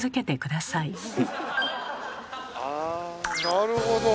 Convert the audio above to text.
なるほど。